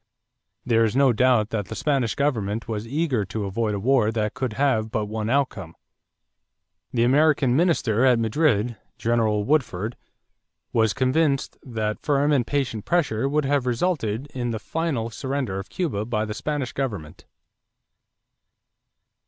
There is no doubt that the Spanish government was eager to avoid a war that could have but one outcome. The American minister at Madrid, General Woodford, was convinced that firm and patient pressure would have resulted in the final surrender of Cuba by the Spanish government.